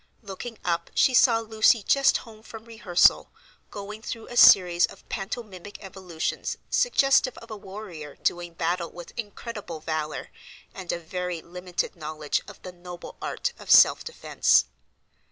Looking up she saw Lucy just home from rehearsal, going through a series of pantomimic evolutions suggestive of a warrior doing battle with incredible valor, and a very limited knowledge of the noble art of self defence.